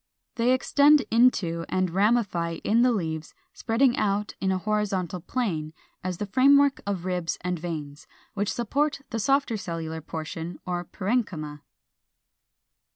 They extend into and ramify in the leaves, spreading out in a horizontal plane, as the framework of ribs and veins, which supports the softer cellular portion or parenchyma.